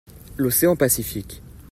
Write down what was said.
L'Océan Pacifique.